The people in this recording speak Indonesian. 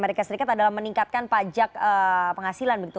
amerika serikat adalah meningkatkan pajak penghasilan begitu